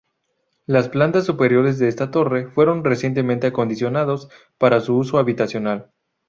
Las plantas superiores de esta torre fueron recientemente acondicionados para uso habitacional.